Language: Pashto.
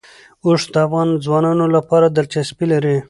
اوښ د افغان ځوانانو لپاره دلچسپي لري.